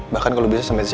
bahkan kalau bisa sampai z